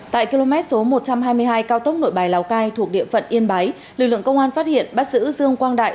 tại km số một trăm hai mươi hai cao tốc nội bài lào cai thuộc địa phận yên bái lực lượng công an phát hiện bắt giữ dương quang đại